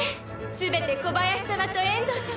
全て小林様と遠藤様